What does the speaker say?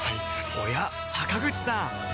おや坂口さん